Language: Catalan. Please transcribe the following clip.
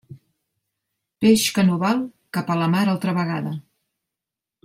Peix que no val, cap a la mar altra vegada.